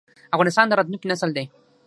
افغانستان د راتلونکي نسل دی